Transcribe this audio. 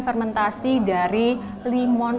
sermentasi dari limon